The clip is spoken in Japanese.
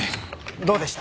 どうでした？